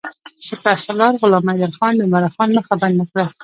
سپه سالار غلام حیدرخان د عمرا خان مخه بنده کړه.